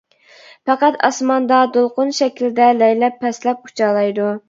پەقەت ئاسماندا دولقۇن شەكىلدە لەيلەپ پەسلەپ ئۇچالايدۇ.